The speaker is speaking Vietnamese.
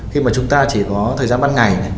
khi mà chúng ta chỉ có thời gian ban ngày